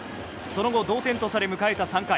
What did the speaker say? その後、同点とされ迎えた３回。